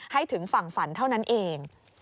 ให้ถึงฝั่งฝันเท่านั้นเอง